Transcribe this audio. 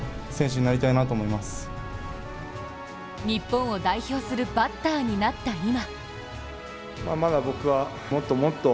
日本を代表するバッターになった今。